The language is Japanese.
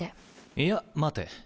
いや待て。